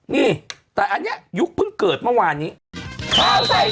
นี่แต่อันนี้ยุคเพิ่งเกิดเมื่อวานนี้